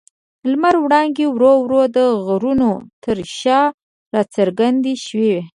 د لمر وړانګې ورو ورو د غرونو تر شا راڅرګندې شوې.